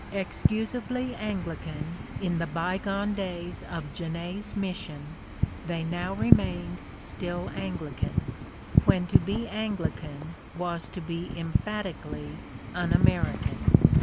Excusably Anglican in the bygone days of Genet's mission, they now remained still Anglican, when to be Anglican was to be emphatically un American.